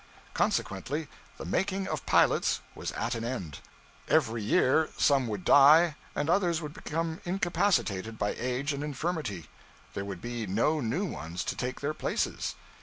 Consequently the making of pilots was at an end. Every year some would die and others become incapacitated by age and infirmity; there would be no new ones to take their places.